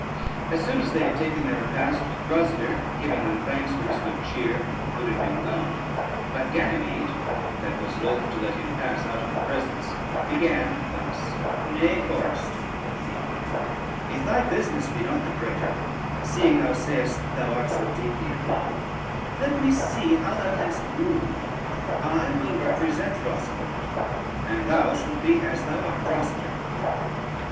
As soon as they had taken their repast, Rosader, giving them thanks for his good cheer, would have been gone; but Ganymede, that was loath to let him pass out of her presence, began thus: "Nay, forester," quoth he, "if thy business be not the greater, seeing thou sayest thou art so deeply in love, let me see how thou canst woo: I will represent Rosalynde, and thou shalt be as thou art, Rosader.